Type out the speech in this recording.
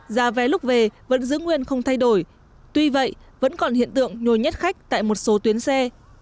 giá vé lúc về vẫn giữ nguyên không thay đổi tuy vậy vẫn còn hiện tượng nhồi nhét khách tại một số tuyến xe